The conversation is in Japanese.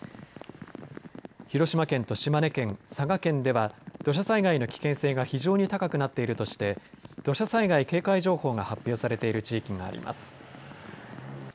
広島県と島根県、佐賀県では、土砂災害の危険性が非常に高くなっているとして、土砂災害警戒情報が発表されている地域があります。